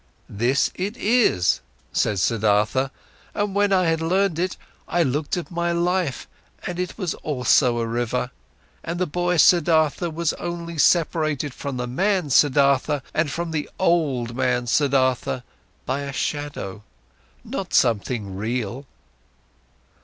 "This it is," said Siddhartha. "And when I had learned it, I looked at my life, and it was also a river, and the boy Siddhartha was only separated from the man Siddhartha and from the old man Siddhartha by a shadow, not by something real.